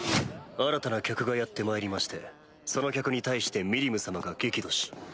新たな客がやってまいりましてその客に対してミリム様が激怒し。